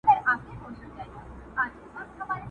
مالومه نه سوه چي پر کومه خوا روانه سوله!.